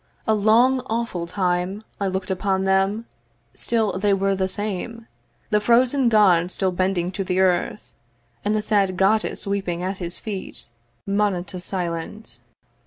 A long awful time I look'd upon them: still they were the same; The frozen God still bending to the earth, And the sad Goddess weeping at his feet, Moneta silent.